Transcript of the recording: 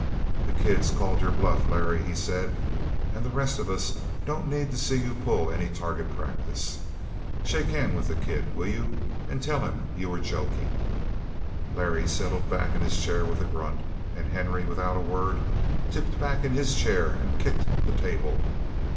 "The kid's called your bluff, Larry," he said. "And the rest of us don't need to see you pull any target practice. Shake hands with the kid, will you, and tell him you were joking!" Larry settled back in his chair with a grunt, and Henry, without a word, tipped back in his chair and kicked the table.